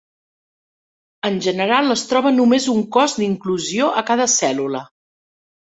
En general es troba només un cos d'inclusió a cada cèl·lula.